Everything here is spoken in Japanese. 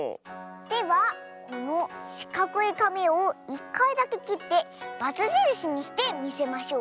ではこのしかくいかみを１かいだけきってバツじるしにしてみせましょう。